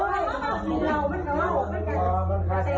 อ้าวถ้านั้นเป็นแบบนี้นะเขามาใช่เลย